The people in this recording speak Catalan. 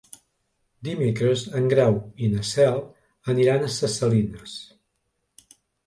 Dimecres en Grau i na Cel aniran a Ses Salines.